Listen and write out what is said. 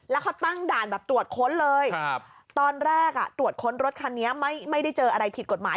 แล้วเขาตั้งด่านแบบตรวจค้นเลยตอนแรกตรวจค้นรถคันนี้ไม่ได้เจออะไรผิดกฎหมาย